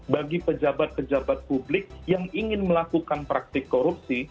bagi pejabat pejabat publik yang ingin melakukan praktik korupsi